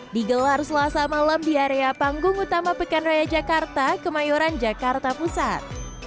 digelar selasa malam di area panggung utama pekan raya jakarta kemayoran jakarta pusat